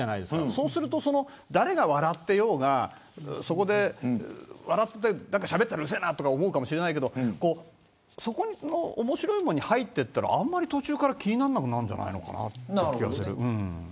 そうすると誰が笑っていようがしゃべったら、うるせえなと思うかもしれないけど面白いものに入っていったらあまり途中から気にならなくなるんじゃないのかなという気がする。